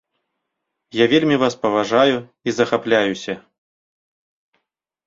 Я вельмі вас паважаю і захапляюся.